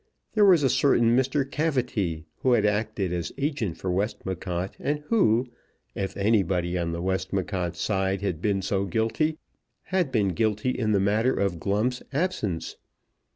There was a certain Mr. Cavity, who had acted as agent for Westmacott, and who, if anybody on the Westmacott side had been so guilty, had been guilty in the matter of Glump's absence.